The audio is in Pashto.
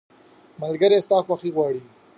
ملګری ستا خوښي غواړي.